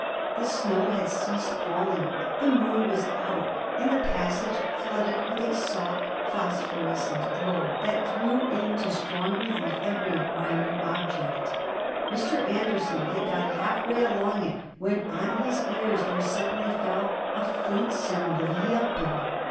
The snow had ceased falling, the moon was out, and the passage flooded with a soft, phosphorescent glow that threw into strong relief every minute object. Mr. Anderson had got half way along it when on his ears there suddenly fell a faint sound of yelping!